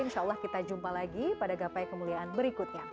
insya allah kita jumpa lagi pada gapai kemuliaan berikutnya